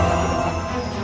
hiduplah dengan tenang